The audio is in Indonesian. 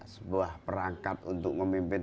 sebuah perangkat untuk memimpin